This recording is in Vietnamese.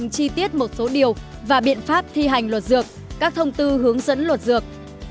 chi tiết một số điều và biện pháp thi hành luật dược các thông tư hướng dẫn luật dược